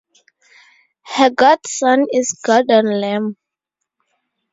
Her godson is Gordon Lam.